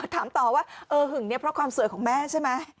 ถามต่อว่าเออหึงเนี่ยเพราะความสวยของแม่ใช่ไหม